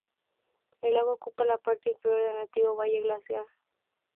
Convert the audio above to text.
El lago ocupa la parte inferior de un antiguo valle glaciar.